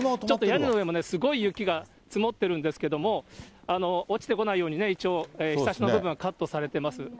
ちょっと屋根の上もすごい雪が積もってるんですけどね、落ちてこないようにね、一応、ひさしの部分はカットされています。